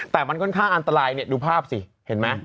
แต่มันค่อนข้างอันตรายเนี่ยดูภาพสิเห็นไหม